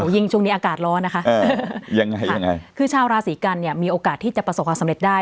ยิ่งช่วงนี้อากาศร้อนนะคะยังไงคือชาวราศีกันเนี่ยมีโอกาสที่จะประสบความสำเร็จได้